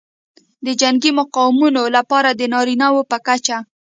د جنګي مقامونو لپاره د نارینه وو په کچه